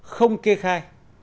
không kê khai